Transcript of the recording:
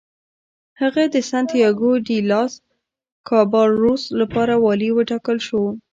هغه د سنتیاګو ډي لاس کابالروس لپاره والي وټاکل شو.